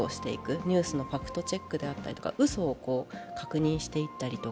ニュースのファクトチェックであったりとか、うそを確認していったりとか、